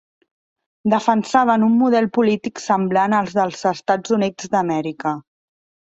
Defensaven un model polític semblant al dels Estats Units d’Amèrica.